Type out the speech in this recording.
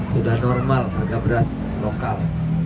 sudah normal harga beras lokal